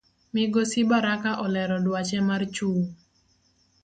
Migosi Baraka olero duache mar chung